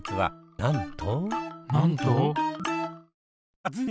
なんと？